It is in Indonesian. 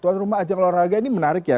tuan rumah ajang olahraga ini menarik ya